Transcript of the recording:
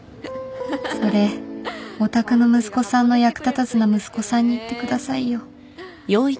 それお宅の息子さんの役立たずなムスコさんに言ってくださいよ